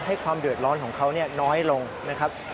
ความเดือดร้อนของเขาน้อยลงนะครับ